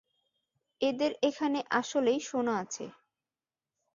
এদের এখানে আসলেই সোনা আছে।